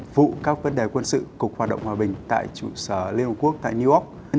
vụ các vấn đề quân sự cục hoạt động hòa bình tại trụ sở liên hợp quốc tại new york